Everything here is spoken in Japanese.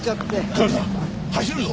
カメさん走るぞ！